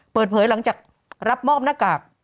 เปิดเผยหลังจากรับมอบหน้ากาก